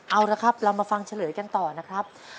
เอาละครับเรามาฟังเฉลยกันต่อนะครับ